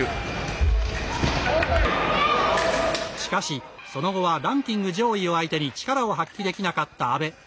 しかし、その後はランキング上位を相手に力を発揮できなかった阿部。